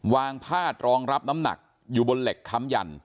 วางผ้าตรองรับน้ำหนักอยู่บนเหล็กคำหยั่น